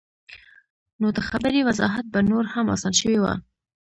نو د خبرې وضاحت به نور هم اسان شوے وۀ -